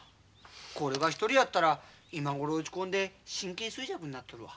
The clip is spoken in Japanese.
これが１人やったら今頃落ち込んで神経衰弱になっとるわ。